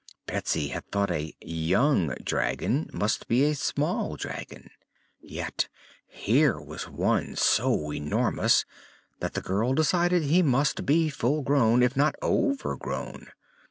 Betsy had thought a "young" dragon must be a small dragon, yet here was one so enormous that the girl decided he must be full grown, if not overgrown.